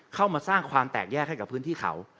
เข้ามาสร้างความแตกแยกให้กับพื้นที่เขา